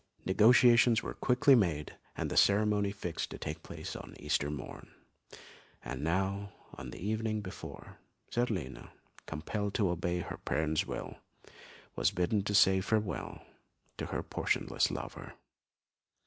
Negotiations were quickly made, and the ceremony fixed to take place on Easter Morn; and now, on the evening before, Zerlina, compelled to obey her parent's will, was bidden to say farewell to her portionless lover.